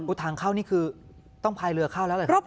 คุณถามเข้านี่คือต้องพายเรือเข้าแล้วเลยค่ะ